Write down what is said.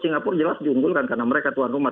singapura jelas diunggulkan karena mereka tuan rumah